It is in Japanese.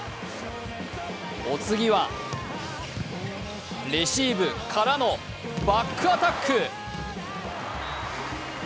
お次は、レシーブからのバックアタック。